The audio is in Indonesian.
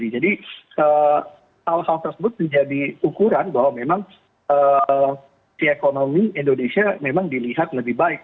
hal hal tersebut menjadi ukuran bahwa memang si ekonomi indonesia memang dilihat lebih baik